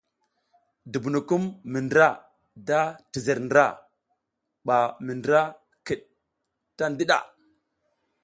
Dubunukum mi ndra da tizer ndra ɓa mi ndra kiɗ ta ndiɗa.